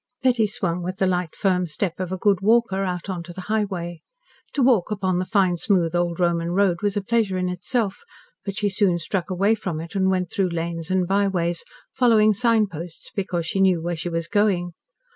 Betty swung with the light, firm step of a good walker out on to the highway. To walk upon the fine, smooth old Roman road was a pleasure in itself, but she soon struck away from it and went through lanes and by ways, following sign posts because she knew where she was going.